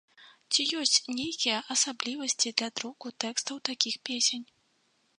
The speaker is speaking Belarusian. Ці ёсць нейкія асаблівасці для друку тэкстаў такіх песень?